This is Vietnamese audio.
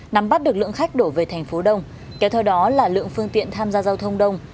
nắm bắt được lượng khách đổ về thành phố đông kéo theo đó là lượng phương tiện tham gia giao thông đông